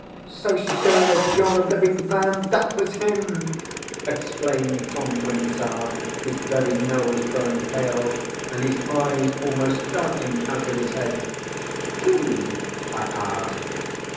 "So sure as you're a living man, that was him!" exclaimed Tom Wyndsour, his very nose growing pale, and his eyes almost starting out of his head. "Who?" I asked.